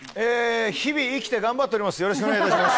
日々生きて頑張っております